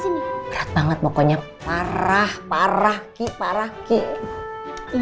iya tentang apa beratnya itu ngomong